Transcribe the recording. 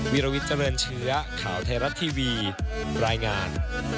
วิรวิจรรย์เชื้อข่าวไทยรัฐทีวีรายงาน